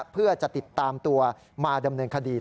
เพื่อจะติดตามตัวมาดำเนินคดี